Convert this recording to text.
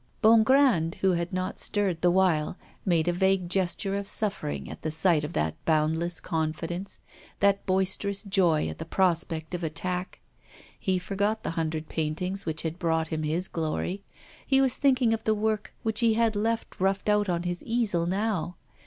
Bongrand, who had not stirred the while, made a vague gesture of suffering at the sight of that boundless confidence, that boisterous joy at the prospect of attack. He forgot the hundred paintings which had brought him his glory, he was thinking of the work which he had left roughed out on his easel now.